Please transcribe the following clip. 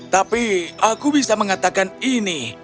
tapi aku bisa mengatakan ini